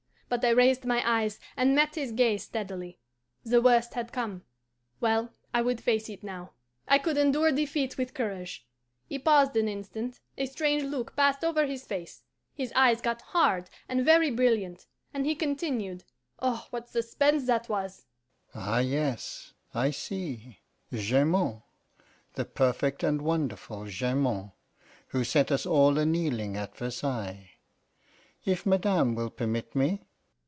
But I raised my eyes and met his gaze steadily. The worst had come. Well, I would face it now. I could endure defeat with courage. He paused an instant, a strange look passed over his face, his eyes got hard and very brilliant, and he continued (oh, what suspense that was!): 'Ah yes, I see Jamond, the perfect and wonderful Jamond, who set us all a kneeling at Versailles. If Madame will permit me?